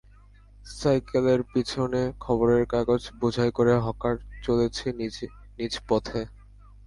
সাইকেলের পেছনে খবরের কাগজ বোঝাই করে হকার চলেছে নিজ নিজ পথে।